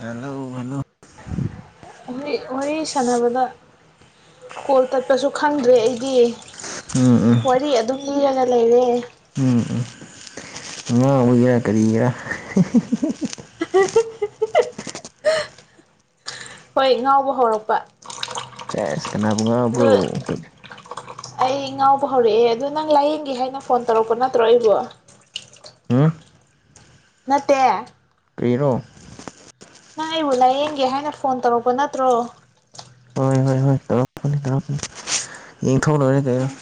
hello hello ꯋꯥꯔꯤ ꯁꯥꯟꯅꯕꯗ call ꯇꯠꯄꯁꯨ ꯈꯪꯗ꯭ꯔꯦ ꯑꯩꯗꯤ ꯎꯝ ꯎꯝ ꯋꯥꯔꯤ ꯑꯗꯨꯝ ꯂꯤꯔꯒ ꯂꯩꯔꯦ ꯎꯝ ꯎꯝ ꯉꯥꯎꯕꯩꯔ ꯀꯔꯤꯔ ꯍꯣꯏ ꯉꯥꯎꯕ ꯍꯧꯔꯛꯄ ꯆꯦꯁ ꯀꯅꯥꯕꯨ ꯉꯥꯎꯕ꯭ꯔꯣ ꯑꯗꯨ ꯑꯩ ꯉꯥꯎꯕ ꯍꯧꯔꯛꯑꯦ ꯑꯗꯨ ꯅꯪ ꯂꯥꯏꯌꯦꯡꯒꯦ ꯍꯥꯏꯅ ꯐꯣꯟ ꯇꯧꯔꯛꯄ ꯅꯠꯇ꯭ꯔꯣ ꯑꯩꯕꯨ ꯎꯝ ꯅꯠꯇꯦ ꯀꯩꯔꯣ ꯅꯪ ꯑꯩꯕꯨ ꯂꯥꯏꯌꯦꯡꯒꯦ ꯍꯥꯏꯅ ꯐꯣꯟ ꯇꯧꯔꯛꯄ ꯅꯠꯇ꯭ꯔꯣ ꯍꯣꯏ ꯍꯣꯏ ꯍꯣꯏ ꯇꯧꯔꯛꯄꯅꯤ ꯇꯧꯔꯛꯄꯅꯤ ꯌꯦꯡꯊꯣꯛꯂꯣꯏꯔꯦ ꯀꯩꯅꯣ ꯎꯝ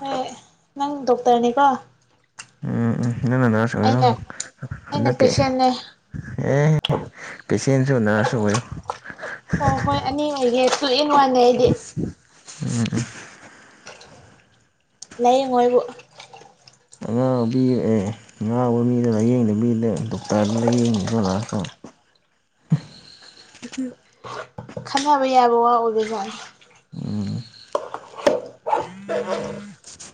ꯍꯣꯏ ꯅꯪ ꯗꯣꯛꯇ꯭ꯔꯅꯤꯀꯣ ꯎꯝ ꯎꯝ ꯅꯪꯅ ꯅ꯭ꯔꯁ ꯑꯣꯏꯔꯣ ꯑꯩꯅ ꯍꯟꯗꯛꯀꯤ ꯄꯦꯁꯦꯟꯅꯦ ꯑꯦ ꯄꯦꯁꯦꯟꯖꯨ ꯅ꯭ꯔꯁ ꯁꯨ ꯑꯣꯏꯌꯣ ꯑꯣ ꯍꯣꯏ ꯑꯅꯤ ꯑꯣꯏꯒꯦ ꯇꯨ ꯏꯟ ꯋꯥꯟꯅꯦ ꯑꯩꯗꯤ ꯎꯝ ꯎꯝ ꯂꯥꯏꯌꯦꯡꯉꯣꯑꯩꯕꯨ ꯑꯉꯥꯎꯕꯤ ꯑꯦ ꯑꯉꯥꯎꯕ ꯃꯤꯗ ꯂꯥꯏꯌꯦꯡꯗꯕꯤꯗ ꯗꯣꯛꯇꯔꯗ ꯂꯥꯏꯌꯦꯡꯅꯤꯀꯣ ꯂꯥꯁꯇ [unintelligible] ꯈꯟꯅꯕ ꯌꯥꯕ ꯋꯥ ꯑꯣꯏꯗꯣꯏꯖꯥꯠꯂ ꯎꯝ [unintelligible]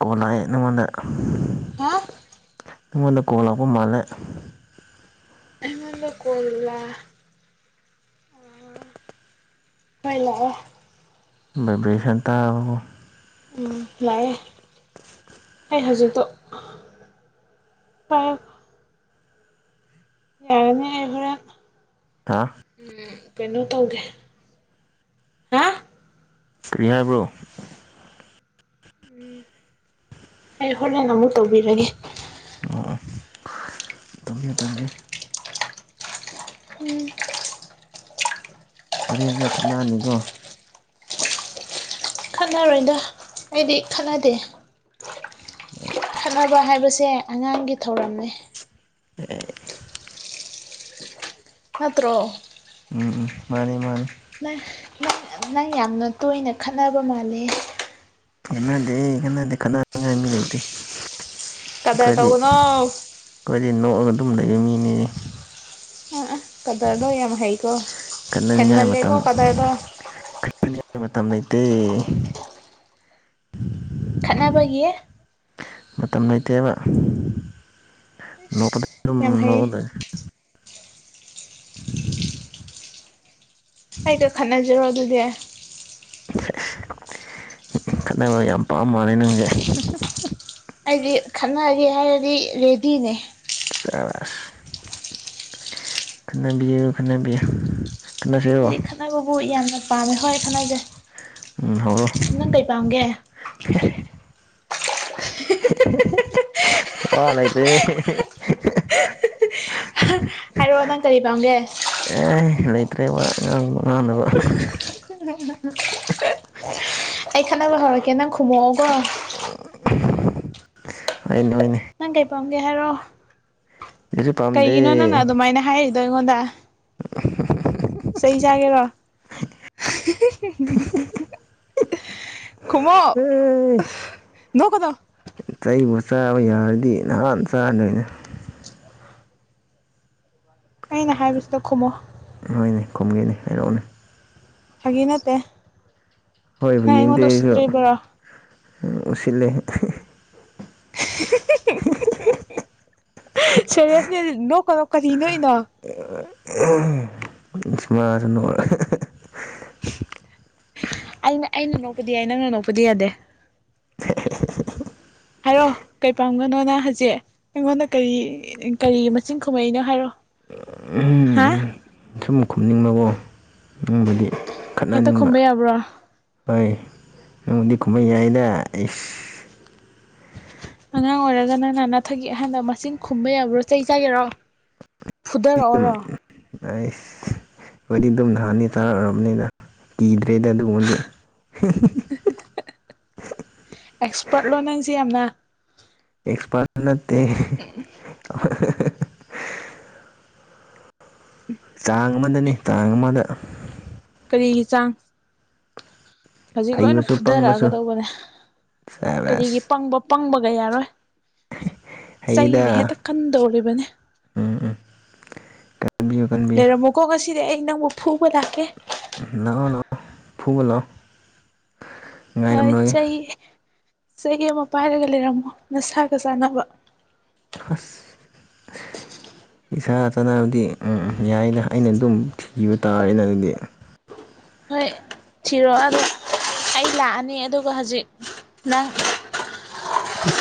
ꯀꯣꯜ ꯂꯥꯛꯑꯦ ꯅꯉꯣꯟꯗ ꯍꯥ ꯅꯉꯣꯟꯗ ꯀꯣꯜ ꯂꯥꯛꯄ ꯃꯥꯜꯂꯦ ꯀꯣꯜꯂ ꯍꯣꯏ ꯂꯥꯛꯑꯦ ꯚꯥꯏꯕ꯭ꯔꯦꯁꯟ ꯇꯥꯔꯕ꯭ꯔꯣ ꯎꯝ ꯂꯥꯛꯑꯦ ꯑꯩ ꯍꯧꯖꯤꯛꯇꯣ ꯄꯥ ꯌꯥꯔꯅꯦ ꯑꯩ ꯍꯣꯔꯦꯟ ꯊꯥ ꯀꯩꯅꯣ ꯇꯧꯒꯦ ꯍꯥ ꯀꯔꯤ ꯍꯥꯏꯕ꯭ꯔꯣ ꯑꯩ ꯍꯣꯔꯦꯟ ꯑꯃꯨꯛ ꯇꯧꯕꯤꯔꯒꯦ ꯑꯣ ꯇꯨꯝꯕꯤꯌꯨ ꯇꯨꯝꯕꯤꯌꯨ ꯍꯣꯔꯦꯟꯅꯣ ꯈꯠꯅꯅꯤꯀꯣ ꯈꯠꯅꯔꯣꯏꯗ ꯑꯩꯗꯤ ꯈꯠꯅꯗꯦ [unintelligible] ꯅꯕ ꯍꯥꯏꯕꯁꯦ ꯑꯉꯥꯡꯒꯤ ꯊꯧꯔꯝꯅꯤ ꯑꯦ ꯅꯠꯇ꯭ꯔꯣ ꯎꯝ ꯎꯝ ꯃꯥꯅꯦ ꯃꯥꯅꯦ ꯅꯪ ꯅꯪ ꯅꯪ ꯌꯥꯝꯅ ꯇꯣꯏꯅ ꯈꯠꯅꯕ ꯃꯥꯜꯂꯦ ꯈꯠꯅꯗꯦ ꯈꯠꯅꯗꯦ ꯈꯠꯅꯅꯤꯉꯥꯏ ꯃꯤ ꯂꯩꯇꯦ ꯀꯗꯔ ꯑꯩꯈꯣꯏꯗꯤ ꯇꯧꯒꯅꯣ ꯑꯩꯈꯣꯏꯗꯤ ꯅꯣꯛꯑꯒ ꯑꯗꯨꯝ ꯂꯩꯕ ꯃꯤꯅꯦ ꯑ ꯑ ꯀꯗꯔꯗꯣ ꯌꯥꯝ ꯍꯩ ꯀꯣ ꯍꯦꯟ ꯈꯠꯅꯅꯤꯡꯉꯥꯏ ꯃꯜꯂꯦ ꯃꯇꯝ ꯀꯣ ꯀꯗꯔꯗꯣ ꯇꯦ ꯈꯠꯅꯕꯒꯤ ꯏꯁ ꯃꯇꯝ ꯂꯩꯇꯦꯕ ꯅꯣꯛꯄꯗ ꯑꯗꯨꯝ ꯌꯥꯝ ꯍꯩ ꯅꯣꯛꯑꯂꯩ ꯑꯩꯒ ꯈꯠꯅꯖꯤꯔꯣ ꯑꯗꯨꯗꯤ ꯈꯠꯅꯕ ꯌꯥꯝ ꯄꯥꯝꯃꯥꯜꯂꯦ ꯅꯪꯁꯦ ꯑꯩꯗꯤ ꯈꯠꯅꯒꯦ ꯍꯥꯏꯔꯗꯤ ꯔꯦꯗꯤꯅꯦ ꯥꯁꯦꯁ ꯈꯟꯅꯕꯤꯌꯨ ꯈꯟꯅꯕꯤꯌꯨ ꯍꯥꯏꯗꯤ ꯈꯅꯥꯕꯕꯨ ꯌꯥꯝꯅ ꯄꯥꯝꯃꯦ ꯍꯣꯏ ꯈꯠꯅꯖꯦ ꯎꯝ ꯍꯧꯔꯣ ꯅꯪ ꯀꯩ ꯄꯥꯝꯒꯦ ꯋꯥ ꯂꯩꯇꯦ ꯍꯥꯏꯔꯛꯑꯣ ꯅꯪ ꯀꯔꯤ ꯄꯥꯝꯒꯦ ꯇ꯭ꯔꯦ ꯋꯥ ꯉꯥꯡꯕ ꯉꯥꯡꯅꯕ [unintelligible] ꯑꯩ ꯈꯠꯅꯕ ꯍꯧꯔꯛꯀꯦ ꯅꯪ ꯈꯨꯝꯃꯛꯑꯣꯒꯣ ꯍꯣꯏꯅꯦ ꯍꯣꯏꯅꯦ ꯅꯪ ꯀꯩ ꯄꯥꯝꯒꯦ ꯍꯥꯏꯔꯣ ꯀꯩꯁꯨ ꯄꯥꯝꯗꯦ ꯀꯩꯒꯤꯅꯣ ꯅꯪꯅ ꯑꯗꯨꯃꯥꯏꯅ ꯍꯥꯏꯔꯤꯗꯣ ꯑꯩꯉꯣꯟꯗ [unintelligible] ꯆꯩ ꯆꯥꯒꯦꯔꯣ ꯈꯨꯝꯃꯣ ꯑꯦ ꯅꯣꯛꯀꯅꯣ ꯆꯩꯕꯨ ꯆꯥꯕ ꯌꯥꯔꯗꯤ ꯅꯍꯥꯟ ꯆꯥꯅꯤꯗ ꯑꯩꯅ ꯍꯥꯏꯕꯁꯤꯗ ꯈꯨꯝꯃꯣ ꯍꯣꯏꯅꯦ ꯈꯨꯝꯒꯦꯅꯦ ꯍꯥꯏꯔꯛꯑꯣꯅꯦ ꯐꯒꯤꯅꯠꯇꯦ ꯍꯣꯏꯕꯒꯤ ꯌꯦꯡꯗꯦ ꯑꯩꯖꯨ ꯎꯁꯤꯜꯂꯦ [unintelligible] ꯁꯦꯔꯦꯁꯅꯦ ꯅꯣꯛ ꯀꯅꯣ ꯀꯔꯤ ꯅꯣꯛꯏꯅꯣ ꯏꯁꯃꯅ ꯅꯣꯛꯑꯒ ꯑꯩꯅ ꯑꯩꯅ ꯅꯣꯛꯄꯗꯤ ꯌꯥꯏ ꯅꯪꯅ ꯅꯣꯛꯄꯗꯤ ꯌꯥꯗꯦ [unintelligible] ꯍꯥꯏꯔꯣ ꯀꯩ ꯄꯥꯝꯒꯅꯣ ꯅ ꯍꯧꯖꯤꯛ ꯑꯩꯉꯣꯟꯗ ꯀꯔꯤ ꯀꯔꯤ ꯃꯆꯤꯟ ꯈꯨꯝꯃꯛꯏꯅꯣ ꯍꯥꯏꯔꯣ ꯍꯥ ꯁꯨꯝ ꯈꯨꯝꯅꯤꯡꯕꯒꯣ ꯅꯪꯕꯨꯗꯤ ꯍꯦꯛꯇ ꯈꯠꯅꯅꯤꯡꯕ ꯈꯨꯝꯕ ꯌꯥꯕ꯭ꯔꯣ ꯍꯣꯏ ꯅꯉꯣꯟꯗꯤ ꯈꯨꯝꯕ ꯌꯥꯏꯅ ꯏꯁ ꯑꯉꯥꯡ ꯑꯣꯏꯔꯒ ꯅꯪꯅ ꯅꯊꯛꯒꯤ ꯑꯍꯟꯗ ꯃꯆꯤꯟ ꯈꯨꯝꯕ ꯌꯥꯕ꯭ꯔꯣ ꯆꯩ ꯆꯥꯒꯦꯔꯣ ꯐꯨꯗꯔꯛ ꯑꯗꯨꯝ ꯑꯣꯔꯣ ꯑꯩꯁ ꯍꯣꯏꯗꯤ ꯑꯗꯨꯝ ꯅꯍꯥꯟꯅꯤ ꯇꯥꯒ꯭ꯔꯕꯅꯤꯅ ꯀꯤꯗ ꯗꯦꯗ ꯑꯗꯨꯒꯨꯝꯕꯗꯤ ꯑꯦꯛꯁꯄꯔꯠꯂꯣ ꯅꯪꯖꯦ ꯌꯥꯝꯅ ꯑꯦꯛꯁꯄꯔꯠ ꯅꯠꯇꯦꯍꯦ ꯑꯍꯥꯍꯥꯍꯥ ꯆꯥꯡ ꯑꯃꯗꯅꯦ ꯆꯥꯡ ꯑꯃꯗ ꯀꯔꯤꯒꯤ ꯆꯥꯡ ꯍꯧꯖꯤꯛ ꯂꯣꯏꯅ ꯍꯩꯕꯁꯨ ꯄꯪꯕꯁꯨ ꯐꯨꯗꯔꯛꯑꯒꯗꯧꯕꯅꯦ ꯀꯔꯤꯒꯤ ꯁꯕꯥꯁ ꯄꯪꯕ ꯄꯪꯕꯒ ꯌꯥꯔꯣꯏ ꯍꯩꯗ ꯆꯩꯅꯦ ꯍꯦꯛꯇ ꯀꯟꯗꯧꯔꯤꯕꯅꯦ ꯎꯝ ꯎꯝ ꯀꯟꯕꯤꯌꯨ ꯀꯟꯕꯤꯌꯨ ꯂꯩꯔꯝꯃꯣꯀꯣ ꯉꯁꯤꯗꯤ ꯑꯩ ꯅꯪꯕꯨ ꯐꯨ ꯂꯥꯛꯑꯣ ꯂꯥꯛꯑꯣ ꯐꯨꯕ ꯂꯥꯛꯑꯣ ꯍꯣꯏ ꯉꯥꯏꯔꯝꯂꯒꯦ ꯆꯩ ꯆꯩ ꯑꯃ ꯄꯥꯏꯔꯒ ꯂꯩꯔꯝꯃꯣ ꯅꯁꯥꯒ ꯆꯥꯟꯅꯕ ꯍꯨꯁ ꯏꯁꯥꯒ ꯆꯥꯟꯅꯕꯗꯤ ꯎꯝ ꯌꯥꯏꯅ ꯑꯩꯅ ꯑꯗꯨꯝ ꯊꯤꯕ ꯇꯥꯔꯦꯅ ꯑꯗꯨꯗꯤ ꯍꯣꯏ ꯊꯤꯔꯣ ꯑꯗꯣ ꯑꯩ ꯂꯥꯛꯑꯅꯤ ꯑꯗꯨꯒ ꯍꯧꯖꯤꯛ ꯅꯪ ꯍꯝ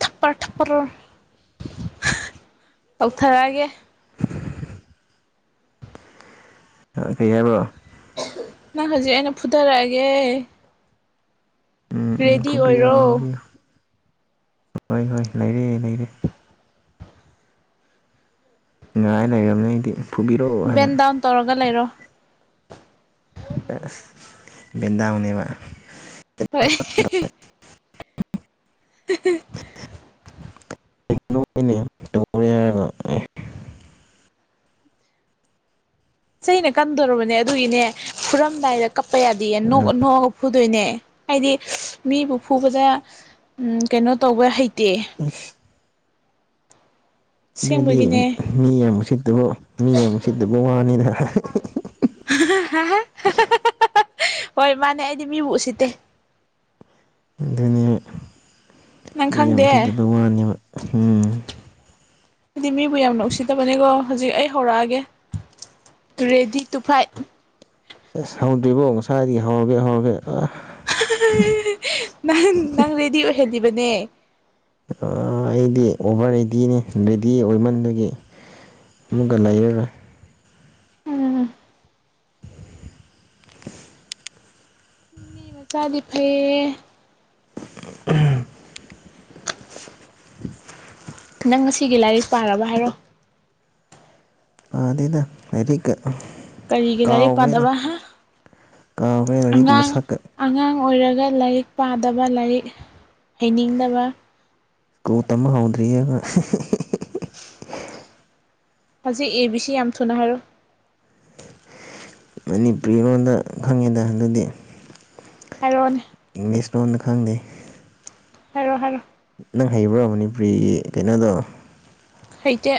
ꯊꯄꯔ ꯊꯄꯔ ꯍꯥ ꯊꯧꯊꯔꯛꯑꯒꯦ ꯑꯥ ꯀꯩ ꯍꯥꯏꯕ ꯅꯪ ꯍꯧꯖꯤꯛ ꯑꯩꯅ ꯐꯨꯊꯥꯔꯛꯑꯒꯦ ꯎꯝ ꯎꯝ ꯐꯨꯕꯤꯌꯨ ꯑꯣꯏꯔꯣ ꯐꯨꯕꯤꯌꯨ ꯍꯣꯏ ꯍꯣꯏ ꯂꯩꯔꯦ ꯂꯩꯔꯦ ꯉꯥꯏ ꯂꯩꯔꯝꯅꯤ ꯑꯩꯗꯤ ꯐꯨꯕꯤꯔꯛꯑꯣ ꯍꯥꯏꯅ ꯕꯦꯟ ꯗꯥꯎꯟ ꯇꯧꯔꯒ ꯂꯩꯔꯣ ꯑꯁ ꯕꯦꯟꯗꯥꯎꯅꯦꯕ ꯍꯣꯢ ꯍꯤꯍꯤ ꯍꯤꯍꯤ [unintelligible] ꯆꯩꯅ ꯀꯟꯗꯣꯔꯕꯅꯦ ꯑꯗꯨꯒꯤꯅꯦ ꯐꯨꯔꯝꯗꯥꯏꯗ ꯀꯞꯄ ꯌꯥꯗꯤꯌꯦ ꯅꯣꯛꯑ ꯅꯣꯛꯑꯒ ꯐꯨꯗꯣꯏꯅꯦ ꯍꯥꯏꯗꯤ ꯃꯤꯕꯨ ꯐꯨꯕꯗ ꯀꯩꯅꯣ ꯇꯧꯕ ꯍꯩꯇꯦ ꯏꯁ ꯑꯗꯨꯗꯤ ꯑꯁꯦꯡꯕꯒꯤꯅꯦ ꯃꯤ ꯌꯥꯝ ꯎꯁꯤꯠꯇꯕ ꯃꯤ ꯌꯥꯝ ꯎꯁꯤꯠꯇꯕ ꯋꯥꯅꯤꯅꯦ [unintelligible] ꯍꯣꯏ ꯃꯥꯅꯦ ꯑꯩꯗꯤ ꯃꯤꯕꯨ ꯎꯁꯤꯠꯇꯦ ꯑꯗꯨꯅꯦꯃꯤ ꯅꯪ ꯃꯤꯌꯥꯝ ꯈꯪꯗꯦ ꯎꯁꯤꯠꯇꯕ ꯑꯩꯗꯤ ꯋꯥꯅꯦꯕ ꯍꯨꯝ ꯑꯩꯗꯤ ꯃꯤꯕꯨ ꯌꯥꯝꯅ ꯎꯁꯤꯠꯇꯕꯅꯦꯀꯣ ꯍꯧꯖꯤꯛ ꯑꯩ ꯍꯧꯔꯛꯑꯒꯦ ꯔꯦꯗꯤ ꯇꯨ ꯐꯥꯏꯠ ꯑꯁ ꯍꯧꯗ꯭ꯔꯤꯕꯣ ꯉꯁꯥꯏꯗꯒꯤ ꯍꯧꯔꯒꯦ ꯍꯧꯔꯒꯦ ꯍꯥꯍꯥꯍꯥꯍꯥ ꯅꯪ ꯅꯪ ꯔꯦꯗꯤ ꯑꯣꯏꯍꯜꯂꯤꯕꯅꯦ ꯑꯥ ꯑꯩꯗꯤ ꯑꯣꯚꯔ ꯔꯦꯗꯤꯅꯦ ꯔꯦꯗꯤ ꯑꯣꯏꯃꯟꯕꯒꯤ ꯑꯃꯨꯛꯀꯥ ꯂꯩꯔꯔꯣꯢ ꯎꯝ ꯃꯤ ꯃꯆꯥꯗꯤ ꯐꯩꯌꯦ [unintelligible] ꯅꯪ ꯉꯁꯤꯒꯤ ꯂꯥꯏꯔꯤꯛ ꯄꯥꯔꯕ ꯍꯥꯏꯔꯣ ꯄꯥꯗꯦꯗ ꯂꯥꯢꯔꯤꯛꯀꯥ ꯀꯔꯤꯒꯤ ꯂꯥꯢꯔꯤꯛ ꯄꯥꯗꯕ ꯍꯥ ꯀꯥꯎꯈ꯭ꯔꯦ ꯂꯥꯏꯔꯤꯛ ꯑꯉꯥꯡ ꯃꯁꯛꯀ ꯑꯉꯥꯡ ꯑꯣꯏꯔ ꯒ ꯂꯥꯏꯔꯤꯛ ꯄꯥꯗꯕ ꯂꯥꯏꯔꯤꯛ ꯍꯩꯅꯤꯡꯗꯕ ꯁꯀꯨ꯭ꯜ ꯇꯝꯕ ꯍꯧꯗ꯭ꯔꯤꯌꯦ ꯑꯩꯈꯣꯢ ꯢꯍꯤꯍꯤꯍꯤ ꯍꯧꯖꯤꯛ ꯑꯦꯕꯤ ꯁꯤ ꯌꯥꯝ ꯊꯨꯅ ꯍꯥꯏꯔꯣ ꯃꯅꯤꯄꯨꯔꯤ ꯂꯣꯟꯗ ꯈꯪꯉꯦꯗ ꯑꯗꯨꯗꯤ ꯍꯥꯢꯔꯛꯑꯣꯅꯦ ꯏꯪꯂꯤꯁ ꯂꯣꯟꯗ ꯈꯪꯗꯦ ꯍꯥꯏꯔꯣ ꯍꯥꯏꯔꯣ ꯅꯪ ꯍꯩꯕ꯭ꯔꯣ ꯃꯅꯤꯄꯨꯔꯤꯒꯤ ꯀꯩꯅꯣꯗꯣ ꯍꯩꯇꯦ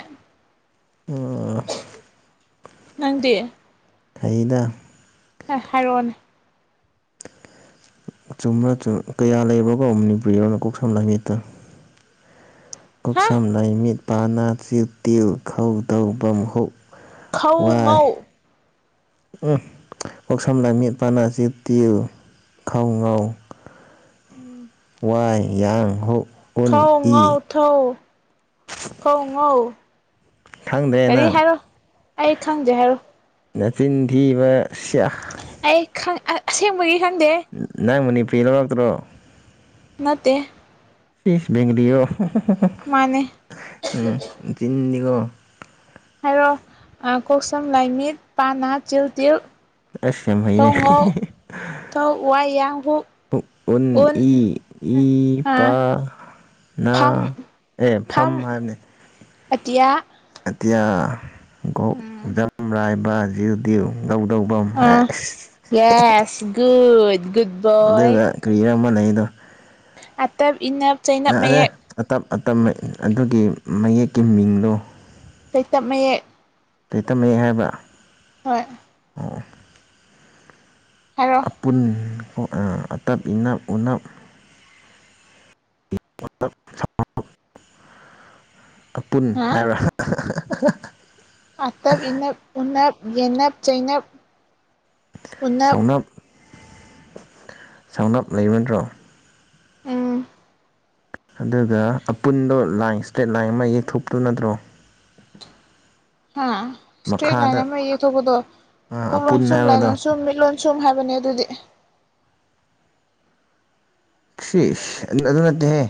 ꯑꯣ ꯅꯪꯗꯤ ꯍꯩꯗ ꯍꯥꯏꯔꯛꯑꯣꯅꯦ ꯆꯨꯝ꯭ꯕ꯭ꯔꯥ ꯆꯨꯝ ꯀꯌꯥ ꯂꯩꯕ꯭ꯔꯣꯒꯣ ꯃꯅꯤꯄꯨꯔꯤ ꯔꯣꯅ ꯀꯣꯛ ꯁꯝ ꯂꯥꯏ ꯃꯤꯠ ꯇꯣ ꯀꯣꯛ ꯍꯥ ꯁꯝ ꯂꯥꯏ ꯃꯤꯠ ꯄꯥ ꯅꯥ ꯆꯤꯜ ꯇꯤꯜ ꯈꯧ ꯗꯧ ꯚꯝ ꯍꯨꯛ ꯈꯧ ꯉꯧ ꯎ ꯀꯣꯛ ꯁꯝ ꯂꯥꯏ ꯃꯤꯠ ꯄꯥ ꯅꯥ ꯆꯤꯜ ꯇꯤꯜ ꯈꯧ ꯉꯧ ꯎꯝ ꯋꯥꯏ ꯌꯥꯡ ꯍꯨꯛ ꯎꯟ ꯈꯧ ꯉꯧ ꯏ ꯊꯧ ꯈꯧꯉꯧ ꯈꯪꯗ꯭ꯔꯦ ꯀꯔꯤ ꯅꯪ ꯍꯥꯏꯔꯣ ꯑꯩ ꯈꯪꯗ꯭ꯔꯦ ꯍꯥꯏꯔꯣ ꯅꯆꯤꯟ ꯊꯤꯕ ꯁꯤꯌꯥ ꯑꯩ ꯈꯪ ꯑ ꯑꯁꯦꯕꯒꯤ ꯅꯪ ꯃꯅꯤꯄꯨꯔꯤ ꯂꯧꯔꯛꯇ꯭ꯔꯣ ꯅꯠꯇꯦ ꯏꯁ ꯕꯦꯡꯒ꯭ꯂꯤꯔꯣ ꯎꯝ ꯍꯨ ꯃꯥꯅꯦ ꯍꯨ ꯍꯨ ꯆꯤꯟꯗꯤꯀꯣ ꯍꯥꯏꯔꯣ ꯀꯣꯛ ꯁꯝ ꯂꯥꯏ ꯃꯤꯠ ꯄꯥ ꯅꯥ ꯆꯤꯜ ꯇꯤꯜ ꯑꯁ ꯌꯥꯝ ꯈꯧ ꯍꯩꯅꯦ ꯉꯧꯊꯧ ꯋꯥꯏ ꯌꯥꯡ ꯍꯨꯛ ꯎꯟ ꯏ ꯏ ꯄꯥ ꯐꯝ ꯅꯥ ꯑꯦ ꯐꯝ ꯍꯥꯏꯕꯅꯤ ꯑꯇꯤꯌꯥ ꯑꯦꯇꯤꯌꯥ ꯒꯣꯛ ꯖꯝ ꯔꯥꯏ ꯕꯥ ꯖꯤꯜ ꯗꯤꯜ ꯉꯧ ꯗꯧ ꯚꯝ ꯍꯥꯏ ꯏꯁ ꯍꯦꯍꯦ ꯑꯗꯨꯒ ꯀꯔꯤꯔ ꯝ ꯂꯩꯗꯣ ꯑꯇꯞ ꯏꯅꯞ ꯆꯩꯩꯅꯞ ꯃꯌꯦꯛ ꯑꯗ ꯑꯇꯞ ꯑꯗꯨꯒꯤ ꯃꯌꯦꯛꯀꯤ ꯃꯤꯡꯗꯣ ꯆꯩꯇꯞ ꯃꯌꯦꯛ ꯆꯩꯇꯞ ꯃꯌꯦꯛ ꯍꯥꯏꯕ꯭ꯔ ꯍꯣꯏ ꯑꯄꯨꯟ ꯎ ꯑ ꯑꯇꯞ ꯏꯅꯞ ꯎꯅꯞ [unintelligible] ꯑꯄꯨꯟ ꯍꯥꯏꯕ꯭ꯔ ꯑꯍꯥ ꯑꯍꯥ ꯍꯥ ꯑ ꯍꯥ ꯍꯥ ꯑꯇꯞ ꯏꯅꯞ ꯎꯅꯞ ꯌꯦꯅꯞ ꯆꯩꯩꯅꯞ ꯎꯅꯞ ꯁꯧꯅꯥꯞ ꯂꯩꯕ ꯅꯠꯟ꯭ꯔꯣ ꯎꯝ ꯑꯗꯨꯒ ꯑꯄꯨꯟꯗꯣ ꯂꯥꯏꯟ ꯏꯁꯇ꯭ꯔꯦꯠ ꯂꯥꯏꯟ ꯑꯃ ꯌꯦꯛꯊꯣꯛꯄꯇꯨ ꯅꯠꯇ꯭ꯔꯣ ꯍꯥ ꯏꯁꯇ꯭ꯔꯦꯠ ꯂꯥꯏꯟ ꯃꯈꯥꯗ ꯑꯃ ꯌꯦꯛꯊꯣꯛꯄꯗꯣ ꯀꯣꯛ ꯑꯄꯨꯟ ꯂꯣꯟꯁꯨꯝ ꯂꯥꯏ ꯍꯥꯏꯕꯗꯣ ꯂꯣꯟꯁꯨꯝ ꯃꯤꯠ ꯂꯣꯟꯁꯨꯝ ꯍꯥꯏꯕ ꯕꯅꯦ ꯑꯗꯨꯗꯤ ꯁꯤꯁ ꯑꯗꯨ ꯅꯠꯇꯦꯍꯦ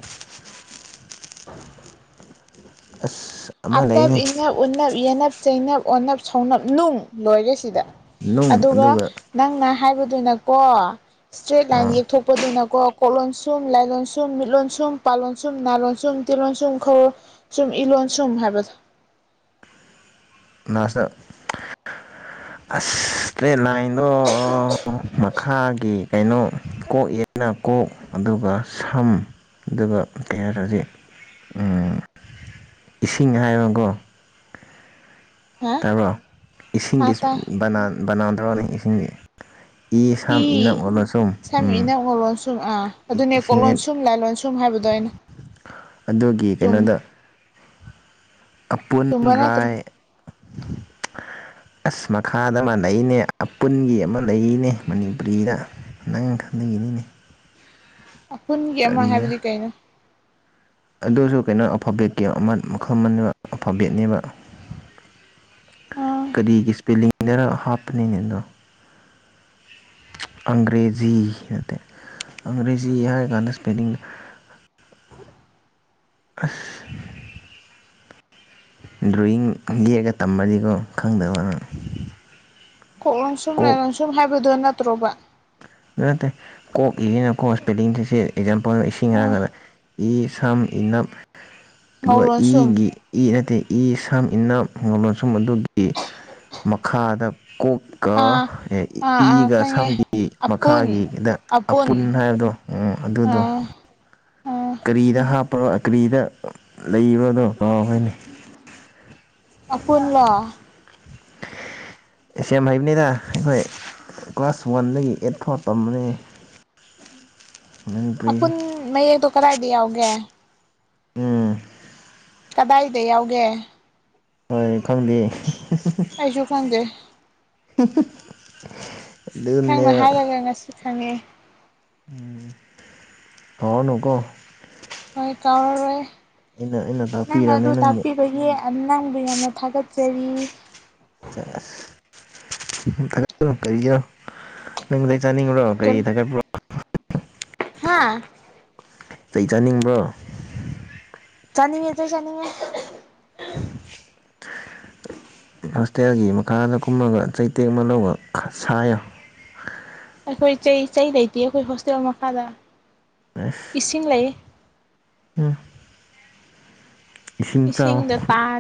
ꯑꯁ ꯑꯃ ꯑꯇꯞ ꯂꯩꯅꯦ ꯏꯟꯅꯞ ꯎꯅꯞ ꯌꯦꯟꯅꯞ ꯆꯩꯩꯅꯞ ꯑꯣꯅꯞ ꯁꯧꯅꯞ ꯅꯨꯡ ꯂꯣꯏꯔꯦ ꯁꯤꯗ ꯑꯗꯨꯒ ꯅꯪꯅ ꯍꯥꯏꯕꯗꯨꯅꯀꯣ ꯏꯁꯇ꯭ꯔꯦꯠ ꯂꯥꯏꯟ ꯌꯦꯛꯊꯣꯛꯄꯗꯨꯅꯀꯣ ꯀꯣꯛ ꯂꯣꯟꯁꯨꯝ ꯂꯥꯏ ꯂꯣꯟꯁꯨꯝ ꯃꯤꯠ ꯂꯣꯟꯁꯨꯝ ꯄꯥ ꯂꯣꯟꯁꯨꯝ ꯅꯥ ꯂꯣꯟꯁꯨꯝ ꯇꯤꯜ ꯂꯣꯟꯁꯨꯝ ꯈꯧ ꯏ ꯂꯣꯟꯁꯨꯝ ꯁꯨꯝ ꯍꯥꯏꯕꯗꯣ ꯅꯁꯅ [unintelligible] ꯑꯁ ꯀꯦ ꯂꯥꯏꯟꯂꯣ ꯑꯣ [unintelligible] ꯃꯈꯥꯒꯤ ꯀꯩꯅꯣ ꯀꯣꯛ ꯑꯦꯅ ꯀꯣꯛ ꯑꯗꯨꯒ ꯁꯝ ꯑꯗꯨꯒ ꯊꯤ ꯀꯩ ꯍꯥꯏꯔꯗꯤ ꯎꯝ ꯏꯁꯤꯡ ꯍꯥꯏꯕꯒꯣ ꯍꯥ ꯇꯥꯕ꯭ꯔꯣ ꯏꯁꯤꯡꯒꯤ ꯑꯥ ꯇꯥꯏ ꯕꯅꯥꯟ ꯕꯅꯥꯟ ꯇꯧꯔꯣꯅꯦ ꯏꯁꯤꯡꯒꯤ ꯏ ꯁꯝ ꯏꯅꯞ ꯑꯣꯜꯂꯁꯨꯝ ꯁꯝ ꯎꯝ ꯏꯅꯞ ꯉꯧ ꯂꯣꯟꯁꯨꯝ ꯑꯥ ꯑꯗꯨꯅꯦ ꯀꯣꯛ ꯏꯁꯤꯡꯅꯦ ꯂꯣꯟꯁꯨꯝ ꯂꯥꯏ ꯂꯣꯟꯁꯨꯝ ꯍꯥꯏꯕ [unintelligible] ꯑꯗꯨꯒꯤ ꯀꯩꯅꯣꯗ ꯑꯄꯨꯟ ꯆꯨꯝꯕ ꯅꯠꯇ꯭ꯔꯣ ꯔꯥꯏ ꯑꯁ ꯃꯈꯥꯗ ꯑꯃ ꯂꯩꯅꯦ ꯑꯄꯨꯟꯒꯤ ꯑꯃ ꯂꯩꯅꯦ ꯃꯅꯤꯄꯨꯔꯤꯗ ꯅꯪ ꯈꯪꯅꯉꯤꯅꯤꯅꯦ ꯑꯄꯨꯟꯒꯤ ꯑꯃ ꯍꯥꯏꯕꯗꯤ ꯀꯩꯅꯣ ꯑꯗꯨꯁꯨ ꯀꯩꯅꯣ ꯑꯜꯐꯥꯕꯦꯠꯀꯤ ꯑꯃ ꯃꯈꯜ ꯑꯃꯅꯤꯕ ꯑꯜꯐꯥꯕꯦꯠꯅꯦꯕ ꯑꯥ ꯀꯔꯤꯒꯤ ꯁꯄꯦꯂꯤꯡꯗꯔ ꯍꯥꯞꯄꯅꯤꯅꯦ ꯑꯗꯣ ꯑꯪꯒ꯭ꯔꯦꯖꯤ ꯅꯠꯇꯦ ꯑꯪꯒ꯭ꯔꯦꯖꯤ ꯍꯥꯏꯔ ꯀꯥꯟꯗ ꯁꯄꯦꯂꯤꯡ [unintelligible] ꯑꯁ ꯗ꯭ꯔꯣꯌꯤꯡ ꯌꯦꯑꯒ ꯇꯝꯃꯗꯤꯀꯣ ꯈꯪꯗꯧꯕ ꯀꯣꯛ ꯂꯣꯟꯁꯨꯝ ꯂꯥꯏ ꯂꯣꯟꯁꯨꯝ ꯍꯥꯏꯕꯗꯨ ꯅꯠꯇ꯭ꯔꯣꯕ ꯅꯠꯇꯦ ꯀꯣꯛ ꯏꯔꯤꯅ ꯀꯣꯛ ꯁꯄꯦꯂꯤꯡꯁ ꯁꯤ ꯑꯦꯛꯖꯥꯝꯄꯜ ꯏꯁꯤꯡ ꯑꯥ ꯍꯥꯏꯔꯒꯅ ꯏ ꯁꯝ ꯏꯅꯞ ꯑꯗꯨꯒ ꯉꯧꯂꯣꯟ ꯁꯨꯝ ꯏꯒꯤ ꯏ ꯅꯠꯇꯦ ꯏ ꯁꯝ ꯏꯅꯞ ꯉꯧ ꯂꯣꯟꯁꯨꯝ ꯑꯗꯨꯒꯤ ꯃꯈꯥꯗ ꯀꯣꯛꯀ ꯑꯥ ꯑꯥ ꯑꯥ ꯏꯒ ꯈꯪꯉꯦ ꯁꯝꯒꯤ ꯃꯈꯥꯒꯤꯗ ꯑꯄꯨꯟ ꯍꯥꯏꯕꯗꯣ ꯑꯗꯨꯗꯣ ꯑꯥ ꯑꯣ ꯀꯔꯤꯗ ꯍꯥꯞꯄ ꯀꯔꯤꯗ ꯂꯩꯕꯗꯣ ꯀꯥꯎꯈ꯭ꯔꯦꯅꯦ ꯑꯄꯨꯟꯂꯣ ꯑꯦꯁ ꯑꯦꯝ ꯍꯩꯕꯅꯤꯅ ꯑꯩꯈꯣꯏ ꯀ꯭ꯂꯥꯁ ꯋꯥꯟꯗꯒꯤ ꯑꯦꯠ ꯐꯥꯎ ꯇꯝꯕꯅꯦ [unintelligible] ꯃꯅꯤꯄꯨꯔꯤꯁꯦ ꯑꯄꯨꯟ ꯃꯌꯦꯛꯇꯣ ꯀꯗꯥꯏꯗ ꯌꯥꯎꯒꯦ ꯎꯝ ꯀꯗꯥꯏꯗ ꯌꯥꯎꯒꯦ ꯍꯣꯏ ꯈꯪꯗꯦ ꯑꯩꯁꯨ ꯈꯪꯗꯦ [unintelligible] ꯅꯪꯅ ꯍꯥꯏꯔꯒ ꯉꯁꯤ ꯈꯪꯉꯦ ꯎꯝ ꯀꯥꯎꯔꯅꯨꯀꯣ ꯍꯣꯏ ꯀꯥꯎꯔꯔꯣꯏ ꯑꯩꯅ ꯑꯩꯅ ꯅꯪꯅ ꯑꯗꯨ ꯇꯥꯛꯄꯤꯔꯕꯅꯤ ꯅꯪꯕꯨ ꯇꯥꯛꯄꯤꯕꯒꯤ ꯅꯪꯕꯨ ꯌꯥꯝꯅ ꯊꯥꯒꯠꯆꯔꯤ [unintelligible] ꯆꯥꯅꯤꯡꯕ꯭ꯔꯣ ꯀꯔꯤ ꯊꯒꯠꯄ꯭ꯔꯣ ꯍꯥꯥ ꯆꯩ ꯆꯥꯅꯤꯡꯕ꯭ꯔꯣ ꯆꯥꯅꯤꯡꯉꯦ ꯆꯩ ꯆꯥꯅꯤꯡꯉꯦ [unintelligible] ꯍꯣꯁꯇꯦꯜꯒꯤ ꯃꯈꯥꯗ ꯀꯨꯝꯃꯒ ꯆꯩꯇꯦꯛ ꯑꯃ ꯂꯧꯔ ꯁꯥꯏꯌꯣ ꯑꯩꯈꯣꯏ ꯆꯩ ꯆꯩ ꯂꯩꯇꯦꯌꯦ ꯑꯩꯈꯣꯏ ꯍꯣꯁꯇꯦꯜ ꯃꯈꯥꯗ ꯑꯁ ꯏꯁꯤꯡ ꯂꯩꯌꯦ ꯎꯝ ꯏꯁꯤꯡ ꯆꯥꯎ ꯏꯁꯤꯡꯗ ꯄꯥꯠ